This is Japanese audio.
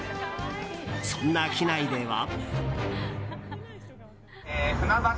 そんな機内では。